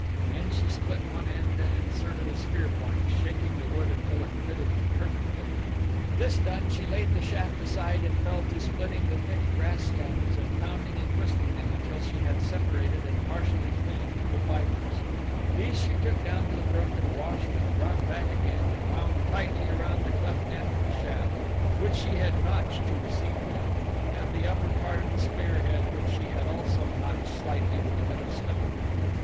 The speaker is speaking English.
Then she split one end and inserted a spear point, shaping the wood until it fitted perfectly. This done she laid the shaft aside and fell to splitting the thick grass stems and pounding and twisting them until she had separated and partially cleaned the fibers. These she took down to the brook and washed and brought back again and wound tightly around the cleft end of the shaft, which she had notched to receive them, and the upper part of the spear head which she had also notched slightly with a bit of stone.